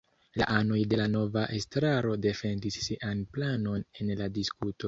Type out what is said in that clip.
La anoj de la nova estraro defendis sian planon en la diskuto.